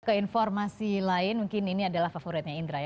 keinformasi lain mungkin ini adalah favoritnya indra ya